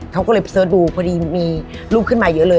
เขาก็เลยไปเสิร์ชดูพอดีมีรูปขึ้นมาเยอะเลย